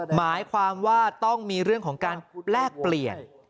หมายความว่าต้องมีเรื่องของการแลกเปลี่ยน